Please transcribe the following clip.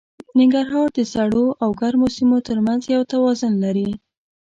ننګرهار د سړو او ګرمو سیمو تر منځ یو توازن لري.